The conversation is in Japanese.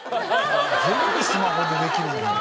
「全部スマホでできるもんな」